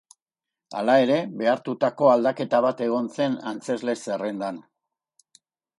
Hala ere, behartutako aldaketa bat egon zen antzezle-zerrendan.